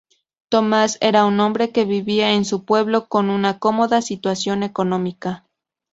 Tomás era un hombre que vivía en su pueblo con una cómoda situación económica.